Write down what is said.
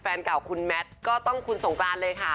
แฟนเก่าคุณแมทก็ต้องคุณสงกรานเลยค่ะ